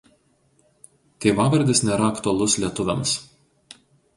Tėvavardis nėra aktualus lietuviams.